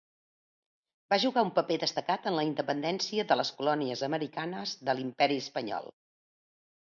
Va jugar un paper destacat en la independència de les colònies americanes de l'Imperi Espanyol.